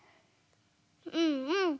うんうん！